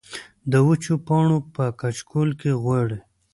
د وچو پاڼو پۀ کچکول کې غواړي